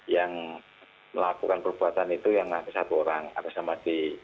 yang melakukan perbuatan itu yang ada satu orang ada sama d